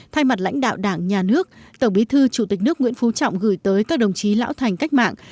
thay mặt lãnh đạo đảng nhà nước tổng bí thư chủ tịch nước nguyễn phú trọng gửi tới các đồng chí lão thành cách mạng